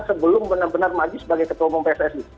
sebelum benar benar maju sebagai ketua umum pssi